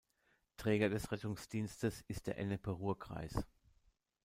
Träger des Rettungsdienstes ist der Ennepe-Ruhr-Kreis.